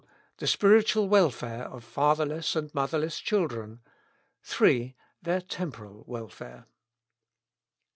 The spiritual welfare of fatherless and motherless children. 3. Their temporal welfare."